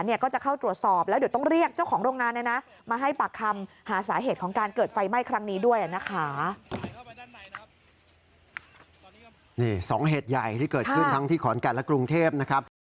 มีฉากอะไรอย่างนี้นะครับนะครับ